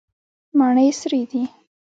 مڼې سرې دي.